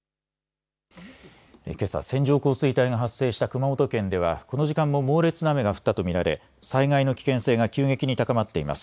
けさ線状降水帯が発生した熊本県ではこの時間も猛烈な雨が降ったと見られ災害の危険性が急激に高まっています。